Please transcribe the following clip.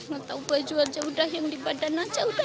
nggak tahu baju aja udah yang di badan aja udah